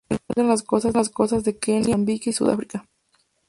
Se encuentra en las costas de Kenia, Mozambique y Sudáfrica.